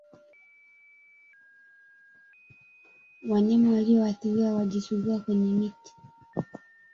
wanyama walioathiriwa wajisugua kwenye miti